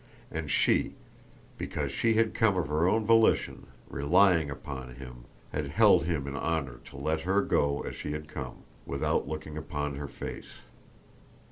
And she, because she had come of her own volition, relying upon him, had held him in honour to let her go as she had come without looking upon her face!